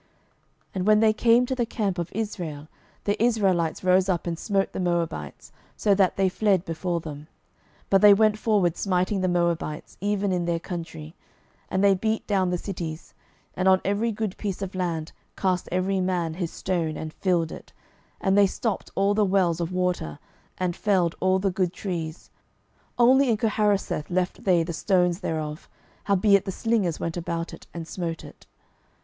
12:003:024 And when they came to the camp of Israel, the Israelites rose up and smote the Moabites, so that they fled before them: but they went forward smiting the Moabites, even in their country. 12:003:025 And they beat down the cities, and on every good piece of land cast every man his stone, and filled it; and they stopped all the wells of water, and felled all the good trees: only in Kirharaseth left they the stones thereof; howbeit the slingers went about it, and smote it.